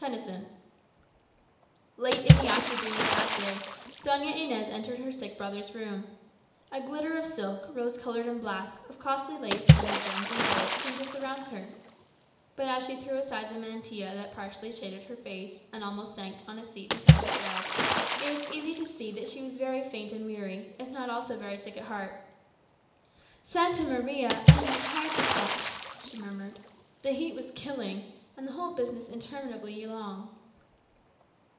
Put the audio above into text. Tennyson Late in the afternoon of that day, Doña Inez entered her sick brother's room. A glitter of silk, rose coloured and black, of costly lace and of gems and gold, seemed to surround her. But as she threw aside the mantilla that partially shaded her face, and almost sank on a seat beside the bed, it was easy to see that she was very faint and weary, if not also very sick at heart. "Santa Maria! I am tired to death," she murmured. "The heat was killing; and the whole business interminably long."